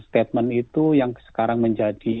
statement itu yang sekarang menjadi